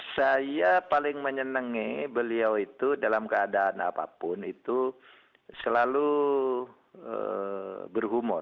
saya paling menyenangi beliau itu dalam keadaan apapun itu selalu berhumor